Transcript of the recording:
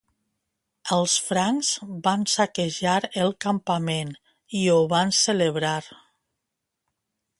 Els francs van saquejar el campament i ho van celebrar.